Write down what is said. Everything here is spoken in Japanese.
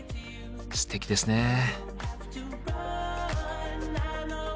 すてきですね。